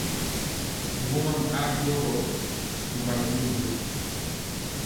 Ŋgomam a jɔ gɔ, atumba mɛ nɛ mbiyɔ.